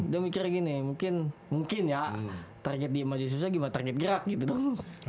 dia mikir gini mungkin yaa target dieman juice glover gimana target gerak gitu dong